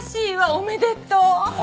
おめでとう。